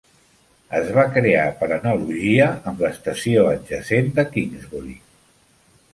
Es va crear per analogia amb l'estació adjacent de Kingsbury.